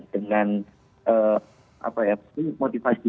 dengan apa ya motivasi setiap mahasiswa juga